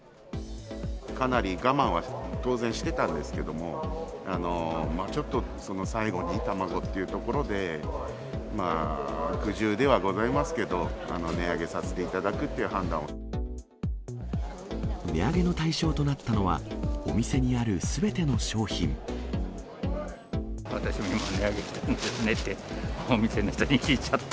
かなり我慢は当然してたんですけども、ちょっと最後に卵っていうところで、苦渋ではございますけれど、値上げさせていただくっていう判値上げの対象となったのは、私も値上げするんですねって、お店の人に聞いちゃった。